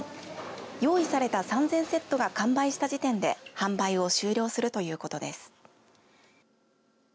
用意された３０００セットが完売した時点で販売を終了するということです。